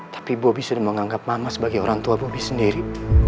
tapi bobi sudah menganggap mama sebagai orang tua bobi sendiri